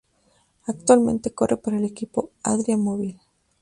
Actualmente corre para el equipo Adria Mobil.